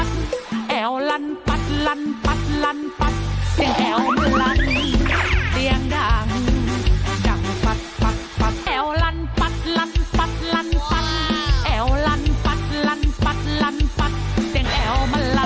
สวัสดีค่ะ